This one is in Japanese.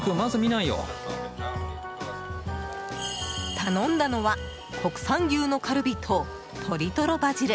頼んだのは国産牛のカルビと鶏とろバジル。